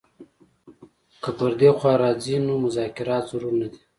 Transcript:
که پر دې خوا راځي نو مذاکرات ضرور نه دي.